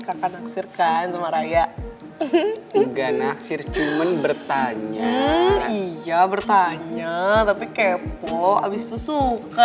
kakak naksir kan sama raya enggak naksir cuman bertanya iya bertanya tapi kepo abis itu suka